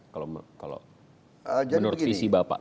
kalau menurut visi bapak